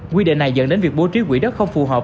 quy định này dẫn đến việc bố trí quỹ đất không phù hợp